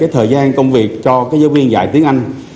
thời gian công việc cho giáo viên dạy tiếng anh